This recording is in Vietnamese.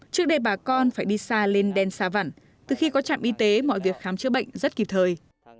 trước đây bà con phải đi xa lên đen xa vắn từ khi có trạm y tế mọi việc khám chữa bệnh rất kịp thời